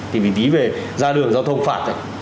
thì mình tí về ra đường giao thông phạt